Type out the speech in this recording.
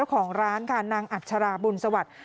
ของร้านค่ะนางอัชราบุญสวัสดิ์